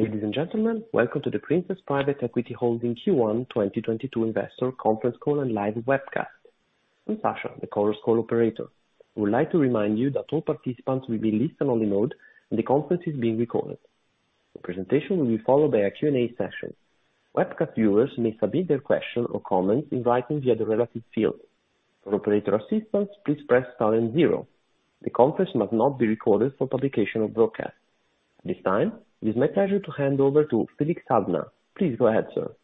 Ladies and gentlemen, welcome to the Princess Private Equity Holding Q1 2022 investor conference call and live webcast. I'm Sasha, the conference call operator. I would like to remind you that all participants will be listen only mode and the conference is being recorded. The presentation will be followed by a Q&A session. Webcast viewers may submit their questions or comments in writing via the relevant field. For operator assistance, please press star then zero. The conference must not be recorded for publication or broadcast. At this time, it is my pleasure to hand over to Felix Haldner. Please go ahead, sir.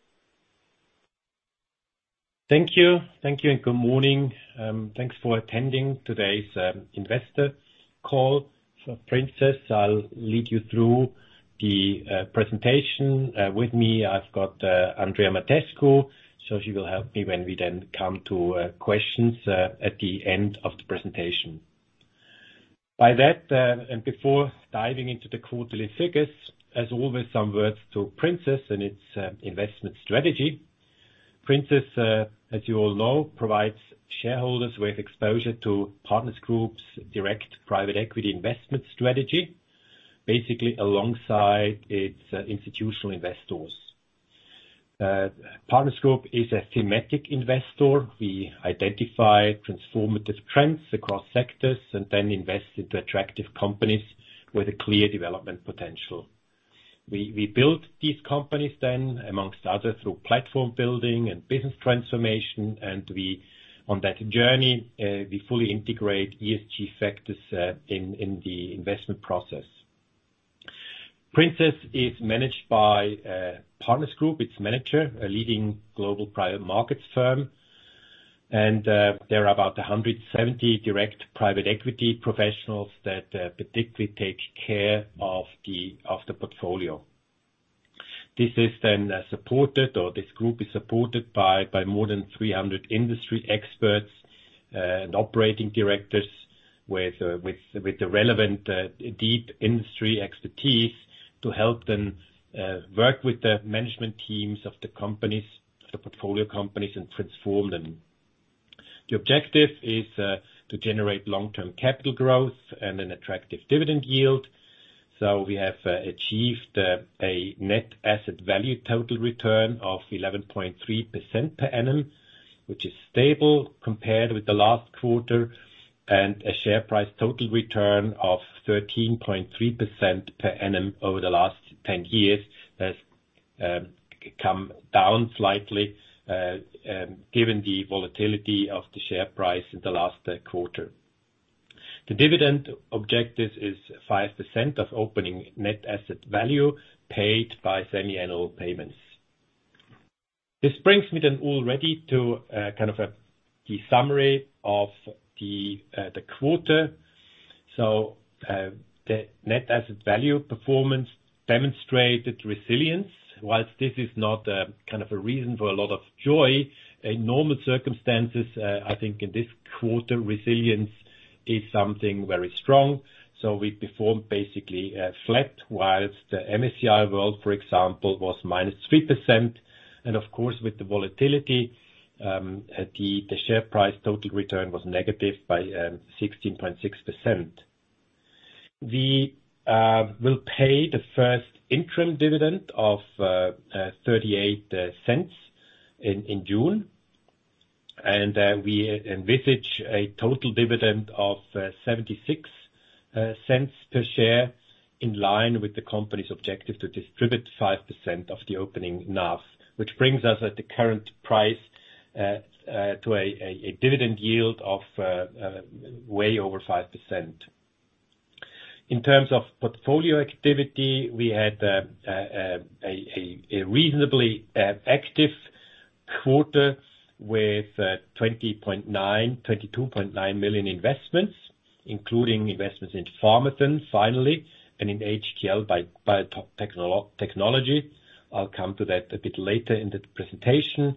Thank you. Thank you, and good morning. Thanks for attending today's investor call for Princess. I'll lead you through the presentation. With me I've got Andrea Mateescu, so she will help me when we then come to questions at the end of the presentation. With that, and before diving into the quarterly figures, as always, some words to Princess and its investment strategy. Princess, as you all know, provides shareholders with exposure to Partners Group's direct private equity investment strategy, basically alongside its institutional investors. Partners Group is a thematic investor. We identify transformative trends across sectors and then invest into attractive companies with a clear development potential. We build these companies then, amongst others, through platform building and business transformation, and on that journey, we fully integrate ESG factors in the investment process. Princess is managed by Partners Group, its manager, a leading global private markets firm. There are about 170 direct private equity professionals that particularly take care of the portfolio. This is then supported, or this group is supported by more than 300 industry experts and operating directors with the relevant deep industry expertise to help them work with the management teams of the companies, the portfolio companies, and transform them. The objective is to generate long-term capital growth and an attractive dividend yield. We have achieved a net asset value total return of 11.3% per annum, which is stable compared with the last quarter, and a share price total return of 13.3% per annum over the last 10 years. That's come down slightly, given the volatility of the share price in the last quarter. The dividend objective is 5% of opening net asset value paid by semiannual payments. This brings me then already to the summary of the quarter. The net asset value performance demonstrated resilience. Whilst this is not a reason for a lot of joy, in normal circumstances, I think in this quarter, resilience is something very strong. We performed basically flat whilst the MSCI World, for example, was -3%. Of course, with the volatility, the share price total return was negative by 16.6%. We will pay the first interim dividend of 0.38 in June. We envisage a total dividend of 0.76 per share in line with the company's objective to distribute 5% of the opening NAV, which brings us at the current price to a dividend yield of way over 5%. In terms of portfolio activity, we had a reasonably active quarter with 22.9 million investments, including investments in Pharmathen finally and in HTL Biotechnology. I'll come to that a bit later in the presentation.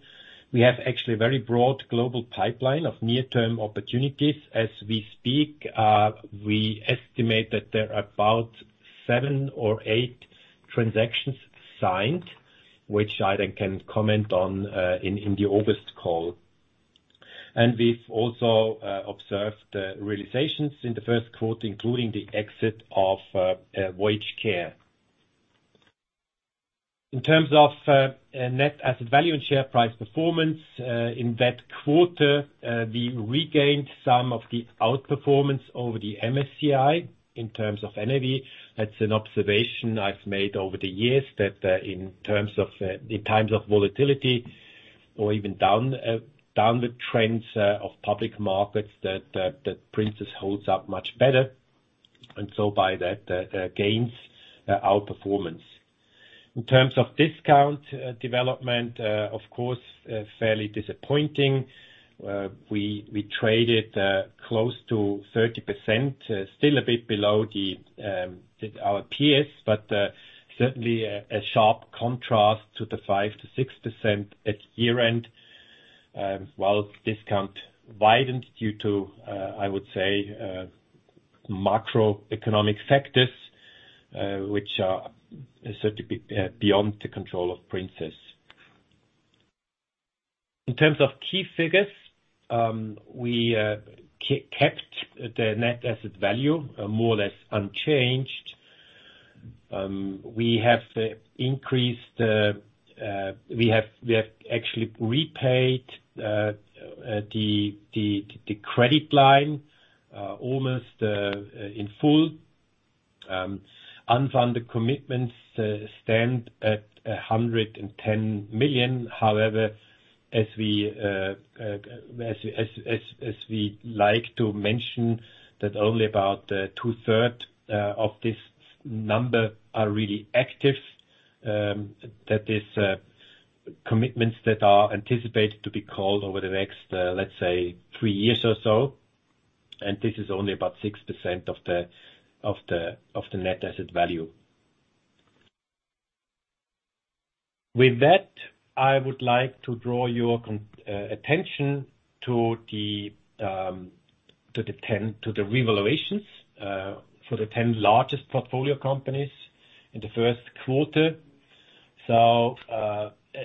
We have actually a very broad global pipeline of near-term opportunities. As we speak, we estimate that there are about seven or eight transactions signed, which I then can comment on in the August call. We've also observed realizations in the first quarter, including the exit of Voyage Care. In terms of net asset value and share price performance in that quarter, we regained some of the outperformance over the MSCI in terms of NAV. That's an observation I've made over the years that in terms of the times of volatility or even downward trends of public markets that Princess holds up much better, and so by that gains outperformance. In terms of discount development, of course, fairly disappointing. We traded close to 30%, still a bit below our peers, but certainly a sharp contrast to the 5%-6% at year-end. While discount widened due to, I would say, macroeconomic factors, which are certainly beyond the control of Princess. In terms of key figures, we kept the net asset value more or less unchanged. We have actually repaid the credit line almost in full. Unfunded commitments stand at 110 million. However, as we like to mention that only about two-thirds of this number are really active, that is, commitments that are anticipated to be called over the next, let's say, three years or so. This is only about 6% of the net asset value. With that, I would like to draw your attention to the revaluations for the ten largest portfolio companies in the first quarter.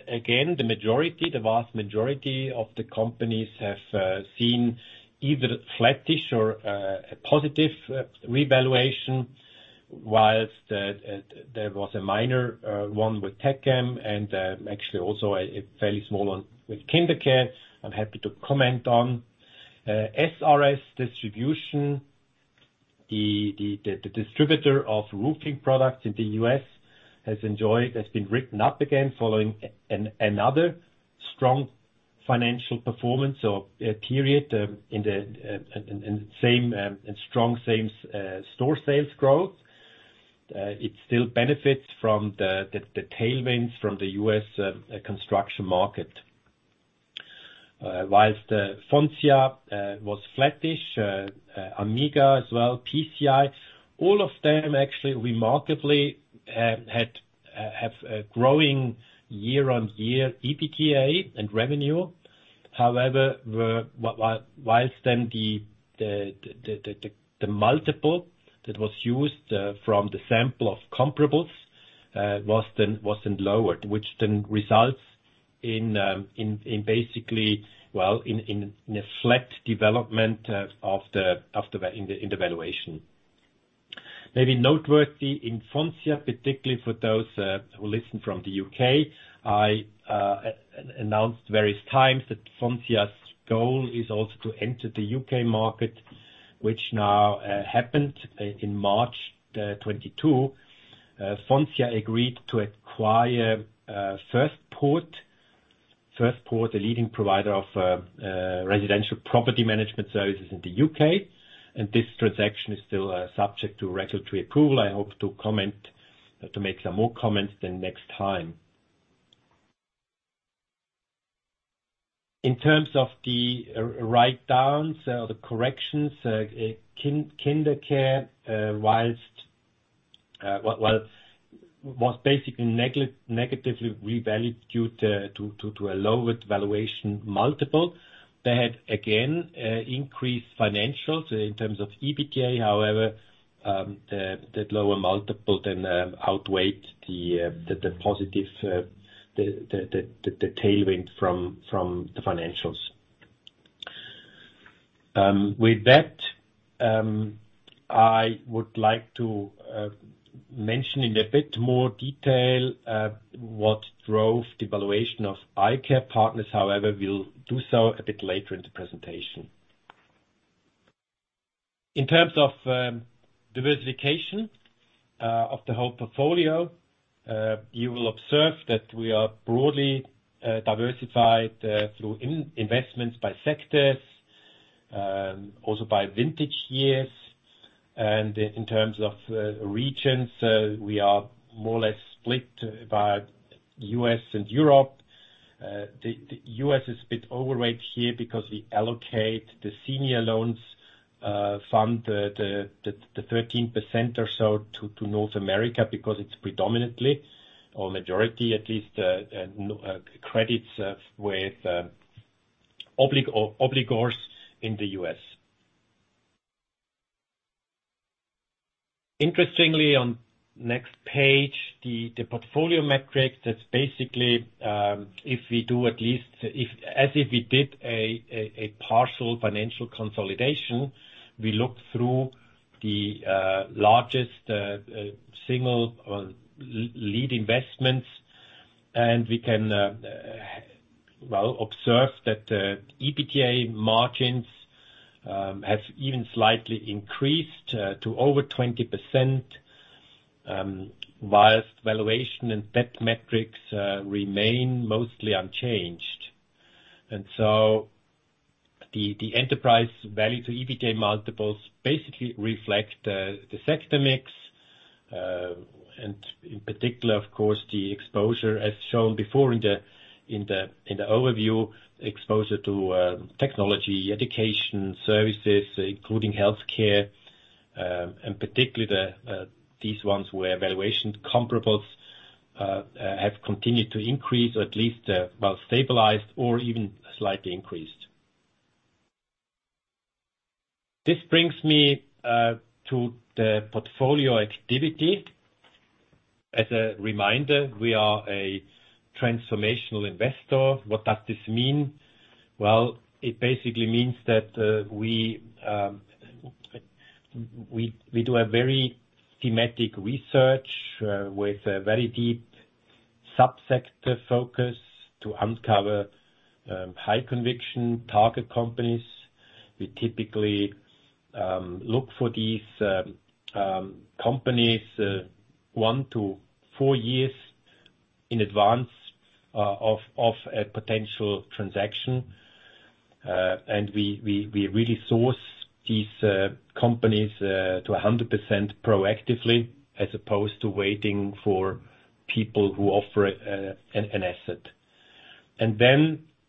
Again, the majority, the vast majority of the companies have seen either flattish or a positive revaluation, while there was a minor one with Techem and actually also a fairly small one with KinderCare. I'm happy to comment on SRS Distribution. The distributor of roofing products in the U.S. has been written up again following another strong financial performance or period in strong same-store sales growth. It still benefits from the tailwinds from the U.S. construction market. Whilst Foncia was flattish, Amm as well, PCI, all of them actually remarkably have a growing year-on-year EBITDA and revenue. However, whilst the multiple that was used from the sample of comparables wasn't lowered, which then results in basically, well, in a flat development of the valuation. Maybe noteworthy in Foncia, particularly for those who listen from the U.K., I announced various times that Foncia's goal is also to enter the U.K. market, which now happened in March 2022. Foncia agreed to acquire FirstPort, a leading provider of residential property management services in the U.K. This transaction is still subject to regulatory approval. I hope to make some more comments then next time. In terms of the write downs or the corrections, KinderCare, while, was basically negatively revalued due to a lowered valuation multiple. They had, again, increased financials in terms of EBITDA. However, the lower multiple then outweighed the tailwind from the financials. With that, I would like to mention in a bit more detail what drove the valuation of EyeCare Partners. However, we'll do so a bit later in the presentation. In terms of diversification of the whole portfolio, you will observe that we are broadly diversified through investments by sectors, also by vintage years. In terms of regions, we are more or less split by U.S. and Europe. The U.S. is a bit overweight here because we allocate the senior loans from the 13% or so to North America because it's predominantly or majority at least, credits with obligors in the U.S. Interestingly on next page, the portfolio metrics, that's basically as if we did a partial financial consolidation. We look through the largest single or lead investments, and we can well observe that EBITDA margins have even slightly increased to over 20%, whilst valuation and debt metrics remain mostly unchanged. The enterprise value to EBITDA multiples basically reflect the sector mix and in particular, of course, the exposure as shown before in the overview, exposure to technology, education, services, including healthcare, and particularly these ones where valuation comparables have continued to increase or at least, well, stabilized or even slightly increased. This brings me to the portfolio activity. As a reminder, we are a transformational investor. What does this mean? Well, it basically means that we do a very thematic research with a very deep sub-sector focus to uncover high conviction target companies. We typically look for these companies one to four years in advance of a potential transaction. We really source these companies to 100% proactively as opposed to waiting for people who offer an asset.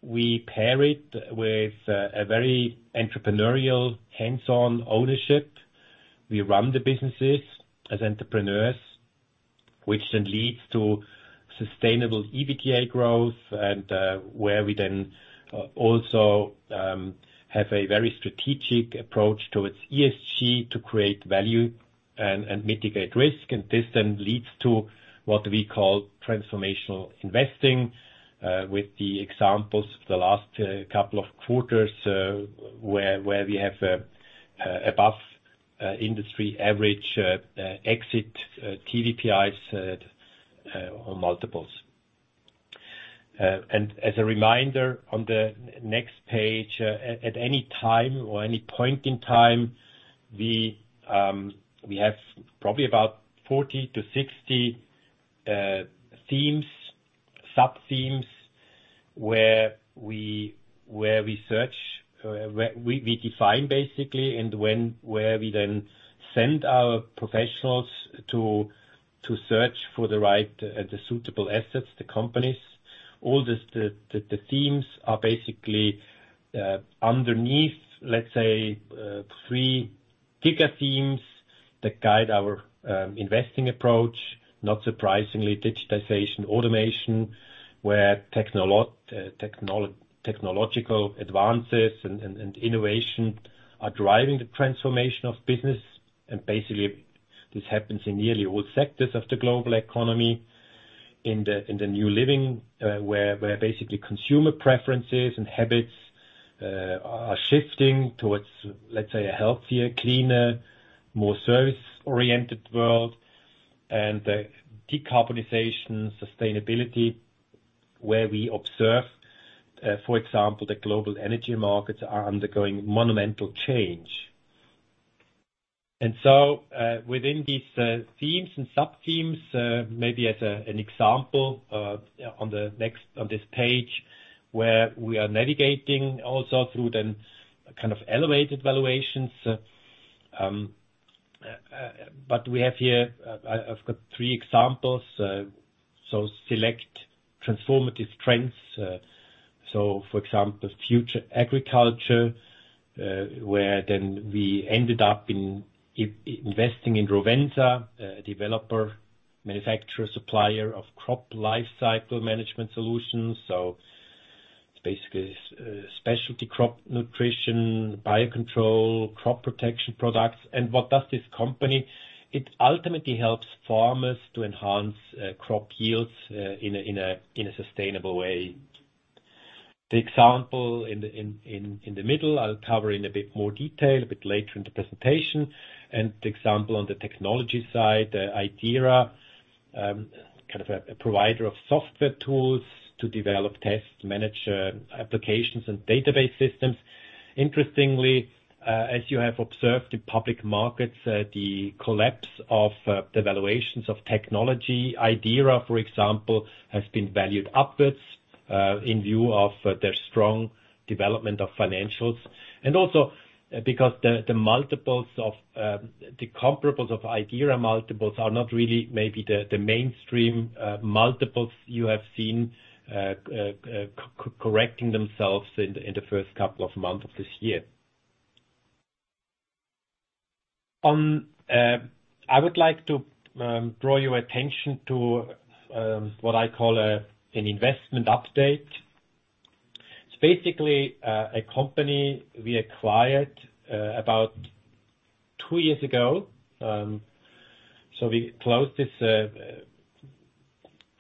We pair it with a very entrepreneurial hands-on ownership. We run the businesses as entrepreneurs, which leads to sustainable EBITDA growth and where we also have a very strategic approach towards ESG to create value and mitigate risk. This leads to what we call transformational investing with the examples of the last couple of quarters where we have above industry average exit TVPI multiples. As a reminder on the next page, at any time or any point in time, we have probably about 40-60 themes, sub-themes where we search, where we define basically, and when, where we then send our professionals to search for the right, the suitable assets, the companies. All this, the themes are basically underneath, let's say, three bigger themes that guide our investing approach. Not surprisingly, digitization automation, where technological advances and innovation are driving the transformation of business. Basically, this happens in nearly all sectors of the global economy. In the new living, where basically consumer preferences and habits are shifting towards, let's say, a healthier, cleaner, more service-oriented world. Decarbonization, sustainability, where we observe, for example, the global energy markets are undergoing monumental change. Within these themes and sub-themes, maybe as an example, on this page, where we are navigating also through the kind of elevated valuations. We have here, I've got three examples. Select transformative trends. For example, future agriculture, where then we ended up investing in Rovensa, a developer, manufacturer, supplier of crop lifecycle management solutions. Basically, specialty crop nutrition, biocontrol, crop protection products. What does this company do? It ultimately helps farmers to enhance crop yields in a sustainable way. The example in the middle, I'll cover in a bit more detail a bit later in the presentation. The example on the technology side, Idera, kind of a provider of software tools to develop, test, manage applications and database systems. Interestingly, as you have observed in public markets, the collapse of the valuations of technology. Idera, for example, has been valued upwards, in view of their strong development of financials. Also because the multiples of the comparables of Idera multiples are not really maybe the mainstream multiples you have seen correcting themselves in the first couple of months of this year. I would like to draw your attention to what I call an investment update. It's basically a company we acquired about two years ago. We closed this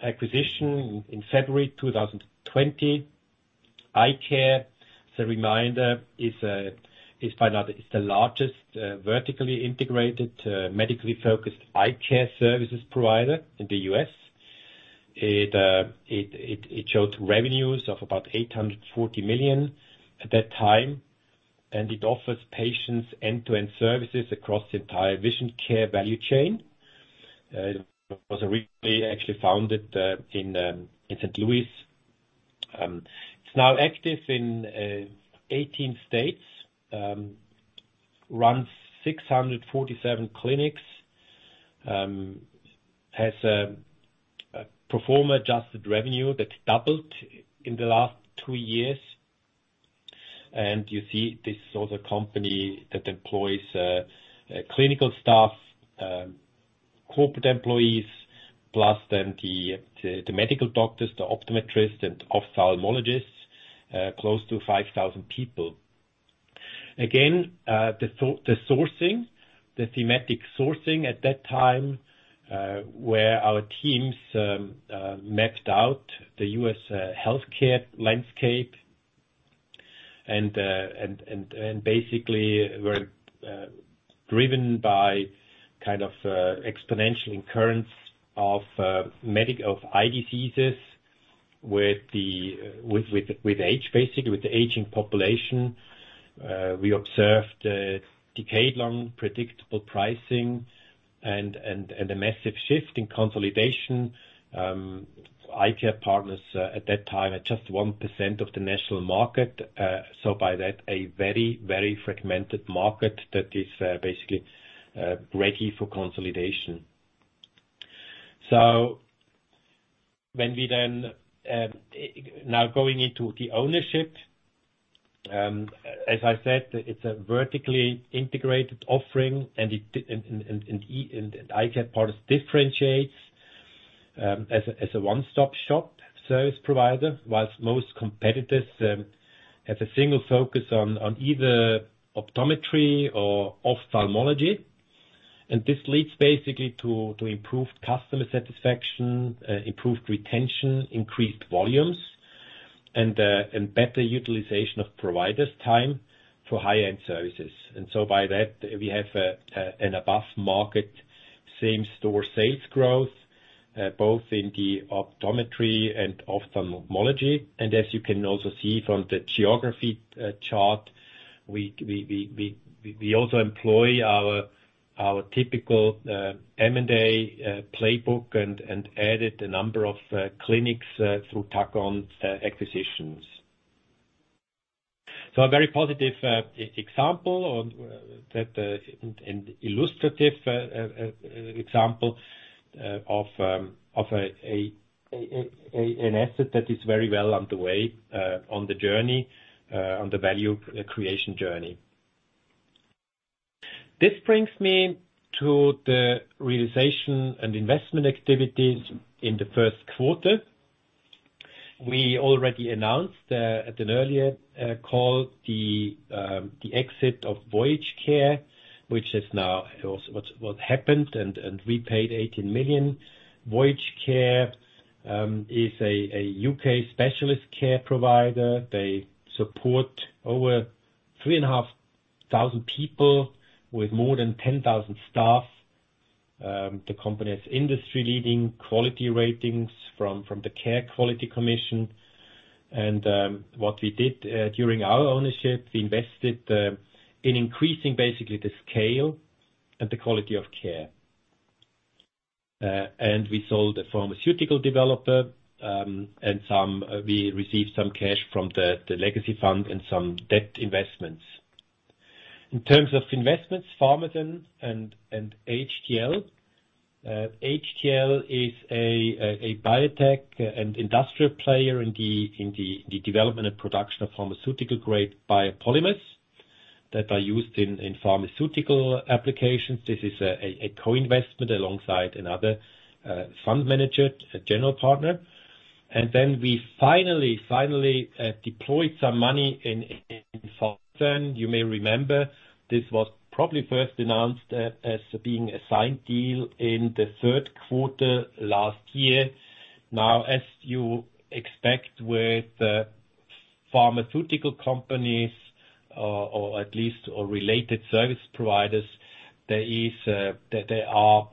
acquisition in February 2020. EyeCare Partners, as a reminder, is by now the largest vertically integrated medically focused eye care services provider in the U.S. It shows revenues of about 840 million at that time, and it offers patients end-to-end services across the entire vision care value chain. It was originally actually founded in St. Louis. It's now active in 18 states, runs 647 clinics, has a pro forma adjusted revenue that doubled in the last two years. You see this is also a company that employs clinical staff, corporate employees, plus the medical doctors, the optometrists and ophthalmologists close to 5,000 people. The sourcing, the thematic sourcing at that time, where our teams mapped out the U.S. healthcare landscape and basically were driven by kind of exponential incidence of eye diseases with age, basically, with the aging population. We observed a decade-long predictable pricing and a massive shift in consolidation. EyeCare Partners at that time had just 1% of the national market. By that, a very fragmented market that is basically ready for consolidation. When we then now going into the ownership, as I said, it's a vertically integrated offering, and EyeCare Partners differentiates as a one-stop-shop service provider, while most competitors have a single focus on either optometry or ophthalmology. This leads basically to improved customer satisfaction, improved retention, increased volumes and better utilization of providers' time for high-end services. By that, we have an above-market same-store sales growth both in the optometry and ophthalmology. As you can also see from the geography chart, we also employ our typical M&A playbook and added a number of clinics through tack-on acquisitions. A very positive example on that and illustrative example of an asset that is very well on the way on the journey on the value creation journey. This brings me to the realization and investment activities in the first quarter. We already announced at an earlier call the exit of Voyage Care, which is now also what happened, and we paid 18 million. Voyage Care is a UK specialist care provider. They support over 3,500 people with more than 10,000 staff. The company has industry-leading quality ratings from the Care Quality Commission. What we did during our ownership, we invested in increasing basically the scale and the quality of care. We sold a pharmaceutical developer. We received some cash from the legacy fund and some debt investments. In terms of investments, Pharmathen and HTL. HTL is a biotech and industrial player in the development and production of pharmaceutical-grade biopolymers that are used in pharmaceutical applications. This is a co-investment alongside another fund manager, a general partner. We finally deployed some money in Pharmathen. You may remember this was probably first announced as being a signed deal in the third quarter last year. Now, as you expect with pharmaceutical companies or at least related service providers, there are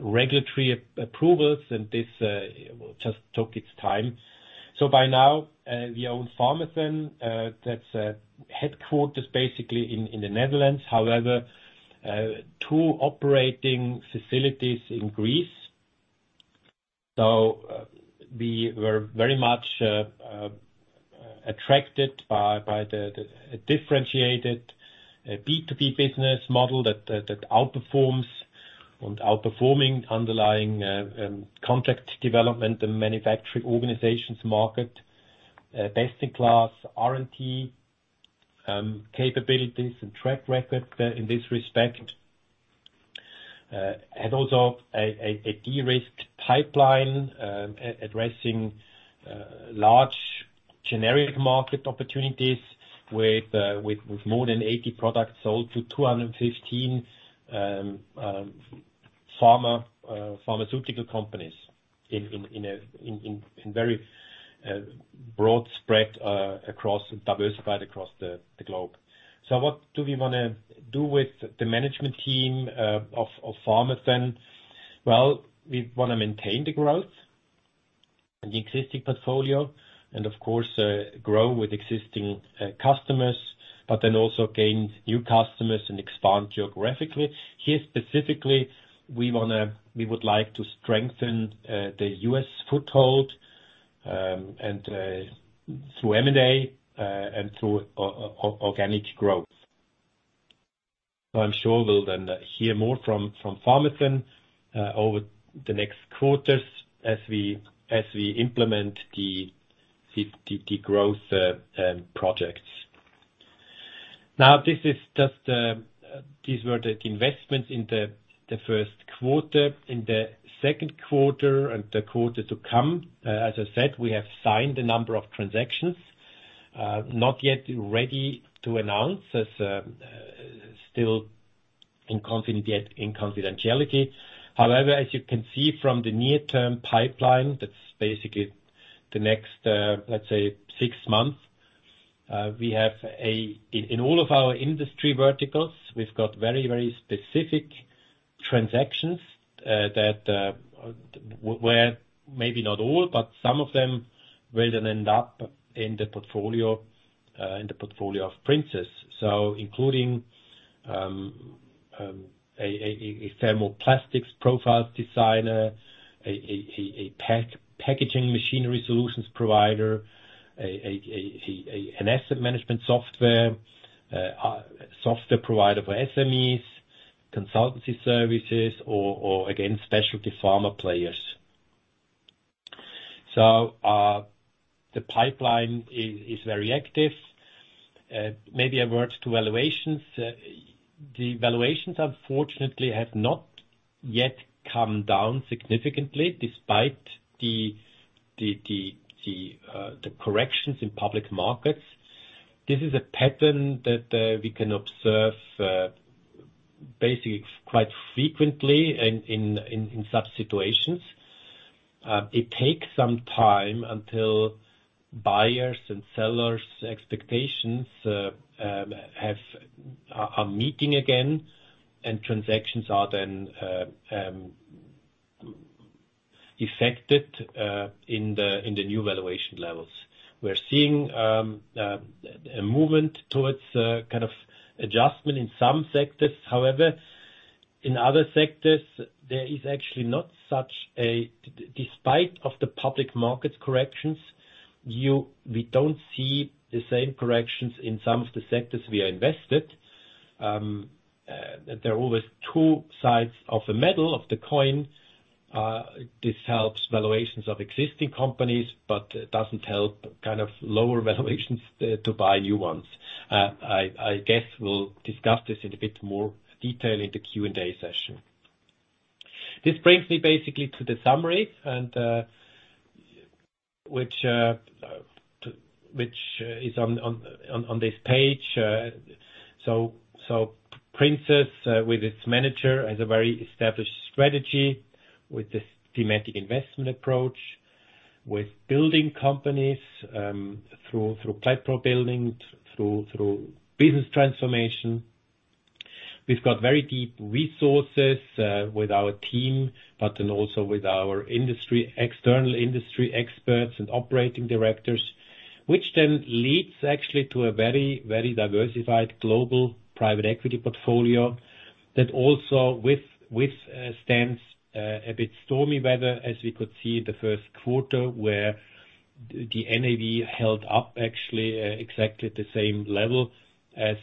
regulatory approvals, and this just took its time. By now, we own Pharmathen, that's headquarters basically in the Netherlands. However, two operating facilities in Greece. We were very much attracted by the differentiated B2B business model that outperforms the underlying contract development and manufacturing organizations market. Best-in-class R&D capabilities and track record in this respect. A de-risked pipeline addressing large generic market opportunities with more than 80 products sold to 215 pharmaceutical companies in a very broad spread, diversified across the globe. What do we wanna do with the management team of Pharmathen? Well, we wanna maintain the growth in the existing portfolio and of course grow with existing customers, but then also gain new customers and expand geographically. Here specifically, we would like to strengthen the U.S. foothold and through M&A and through organic growth. I'm sure we'll then hear more from Pharmathen over the next quarters as we implement the growth projects. Now this is just. These were the investments in the first quarter. In the second quarter and the quarter to come, as I said, we have signed a number of transactions, not yet ready to announce as still in confidentiality. However, as you can see from the near-term pipeline, that's basically the next, let's say six months. In all of our industry verticals, we've got very, very specific transactions that, where maybe not all, but some of them will then end up in the portfolio, in the portfolio of Princess. Including a thermoplastics profiles designer, a packaging machinery solutions provider, an asset management software, a software provider for SMEs, consultancy services or again, specialty pharma players. The pipeline is very active. Maybe a word to valuations. The valuations unfortunately have not yet come down significantly despite the corrections in public markets. This is a pattern that we can observe basically quite frequently in such situations. It takes some time until buyers' and sellers' expectations are meeting again and transactions are then effected in the new valuation levels. We're seeing a movement towards a kind of adjustment in some sectors. However, in other sectors there is actually not such a. Despite the public market corrections, we don't see the same corrections in some of the sectors we are invested. There are always two sides of the coin. This helps valuations of existing companies but doesn't help kind of lower valuations to buy new ones. I guess we'll discuss this in a bit more detail in the Q&A session. This brings me basically to the summary, which is on this page. Princess with its manager has a very established strategy with this thematic investment approach, with building companies through platform building, through business transformation. We've got very deep resources with our team, but then also with our industry, external industry experts and operating directors, which then leads actually to a very diversified global private equity portfolio that also withstands a bit stormy weather as we could see the first quarter where the NAV held up actually exactly the same level as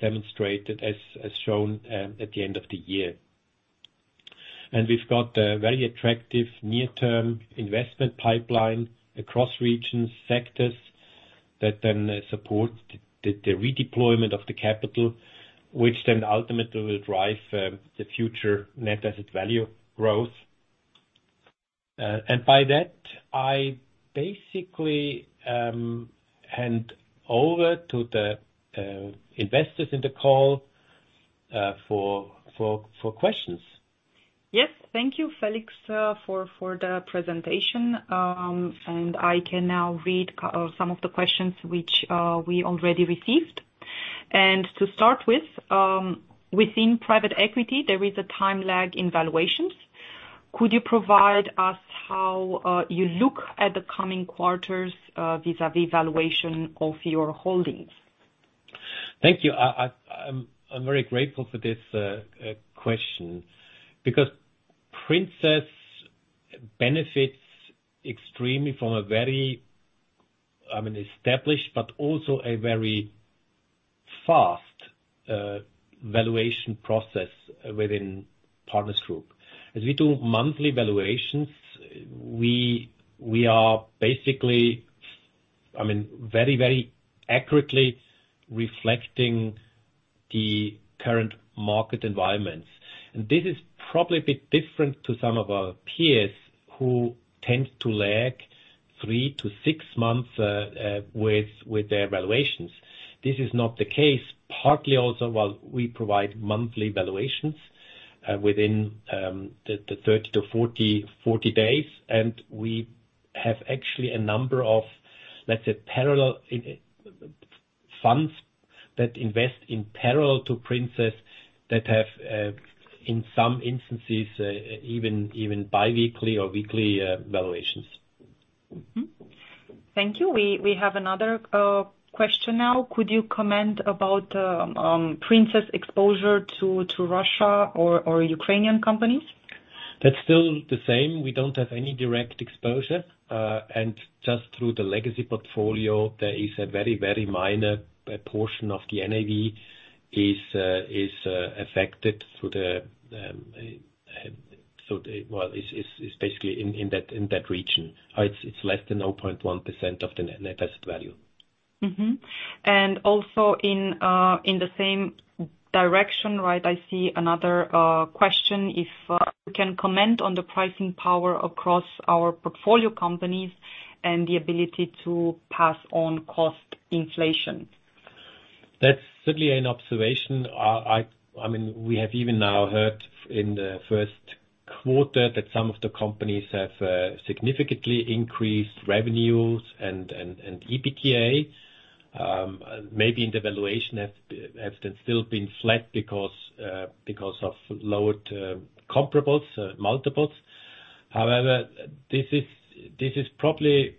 demonstrated, as shown at the end of the year. We've got a very attractive near-term investment pipeline across regions, sectors that then support the redeployment of the capital, which then ultimately will drive the future net asset value growth. By that I basically hand over to the investors in the call for questions. Yes. Thank you, Felix, for the presentation. I can now read some of the questions which we already received. To start with, within private equity, there is a time lag in valuations. Could you provide us how you look at the coming quarters vis-à-vis valuation of your holdings? Thank you. I'm very grateful for this question because Princess benefits extremely from a very, I mean, established but also a very fast valuation process within Partners Group. As we do monthly valuations, we are basically, I mean, very accurately reflecting the current market environments. This is probably a bit different to some of our peers who tend to lag three to six months with their valuations. This is not the case. Partly also, well, we provide monthly valuations within the 30-40 days. We have actually a number of, let's say, parallel funds that invest in parallel to Princess that have, in some instances, even biweekly or weekly valuations. Mm-hmm. Thank you. We have another question now. Could you comment about Princess exposure to Russia or Ukrainian companies? That's still the same. We don't have any direct exposure. Just through the legacy portfolio, there is a very minor portion of the NAV is affected. It's basically in that region. It's less than 0.1% of the net asset value. Also in the same direction, right, I see another question if you can comment on the pricing power across our portfolio companies and the ability to pass on cost inflation. That's certainly an observation. I mean, we have even now heard in the first quarter that some of the companies have significantly increased revenues and EBITDA. Maybe in the valuation have then still been flat because of lowered comparables multiples. However, this is probably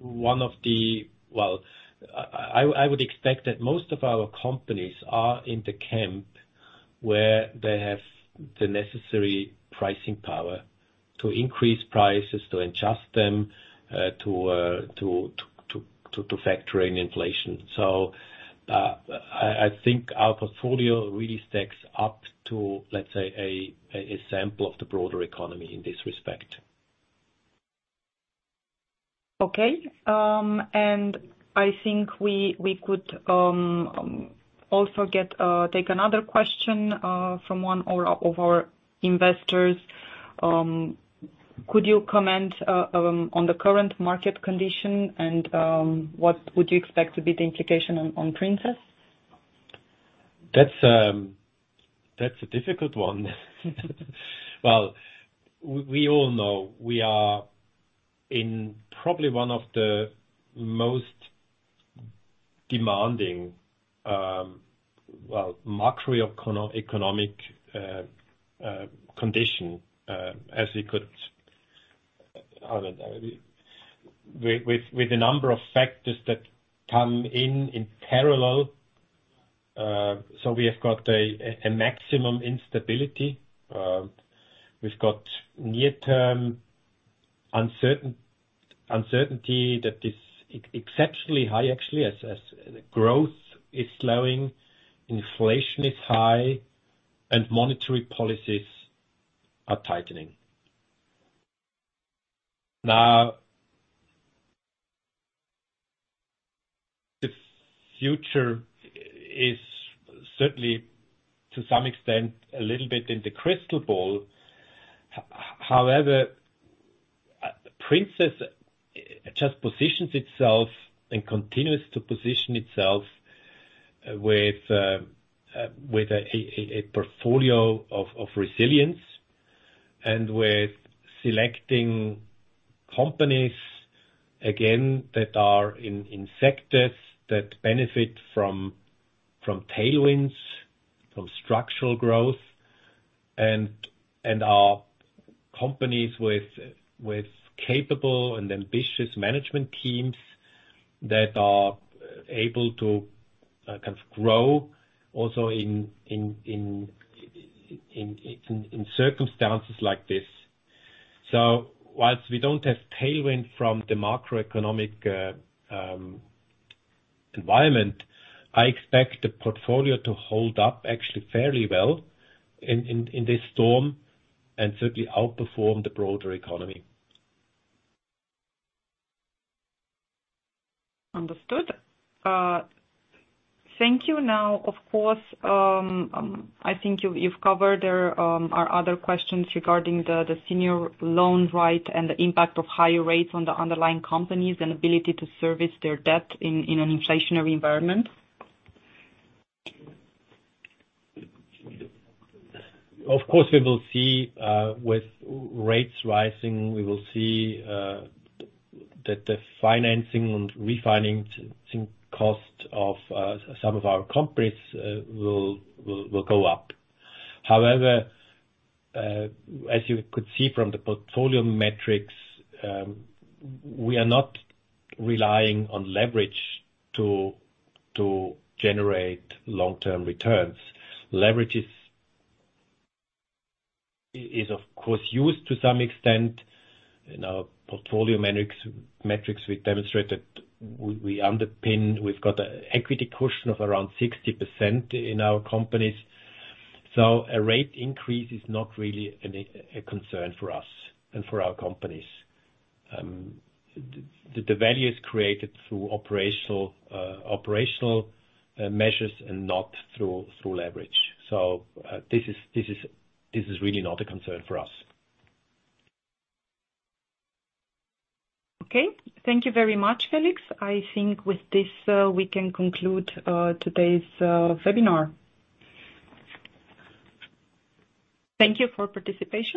one of the. Well, I would expect that most of our companies are in the camp where they have the necessary pricing power to increase prices, to adjust them to factor in inflation. So, I think our portfolio really stacks up to, let's say, an example of the broader economy in this respect. Okay. I think we could also take another question from one of our investors. Could you comment on the current market condition and what would you expect to be the implication on Princess? That's a difficult one. Well, we all know we are in probably one of the most demanding, well, macroeconomic economic condition as we could. I don't know. With a number of factors that come in in parallel. We have got a maximum instability. We've got near-term uncertainty that is exceptionally high, actually, as growth is slowing, inflation is high, and monetary policies are tightening. Now, the future is certainly, to some extent, a little bit in the crystal ball. However, Princess just positions itself and continues to position itself with a portfolio of resilience and with selecting companies, again, that are in sectors that benefit from tailwinds, from structural growth. Companies with capable and ambitious management teams that are able to kind of grow also in circumstances like this. While we don't have tailwind from the macroeconomic environment, I expect the portfolio to hold up actually fairly well in this storm, and certainly outperform the broader economy. Understood. Thank you. Now, of course, I think you've covered there are other questions regarding the senior loan, right, and the impact of higher rates on the underlying companies and ability to service their debt in an inflationary environment. Of course, we will see with rates rising that the financing and refinancing cost of some of our companies will go up. However, as you could see from the portfolio metrics, we are not relying on leverage to generate long-term returns. Leverage is of course used to some extent. In our portfolio metrics, we demonstrate that we underpin. We've got an equity cushion of around 60% in our companies. A rate increase is not really a concern for us and for our companies. The value is created through operational measures and not through leverage. This is really not a concern for us. Okay. Thank you very much, Felix. I think with this, we can conclude today's webinar. Thank you for participation.